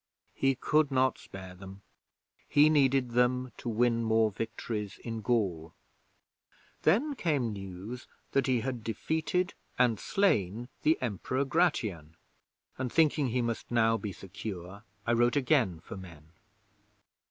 He could not spare them. He needed them to win more victories in Gaul. 'Then came news that he had defeated and slain the Emperor Gratian, and thinking he must now be secure, I wrote again for men.